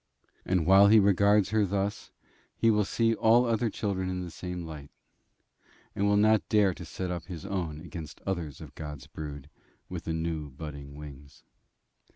And while he regards her thus, he will see all other children in the same light, and will not dare to set up his own against others of God's brood with the new budding wings.